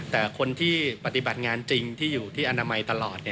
แต่คนที่ปฏิบัติงานจริงที่อยู่ที่อนามัยตลอด